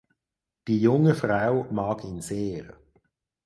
Die junge Frau mag ihn sehr.